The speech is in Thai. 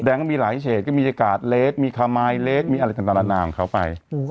แดงก็มีหลายเชฟก็มีเศรษฐ์เลสมีคามายเลสมีอะไรต่างต่างแล้วนางเขาไป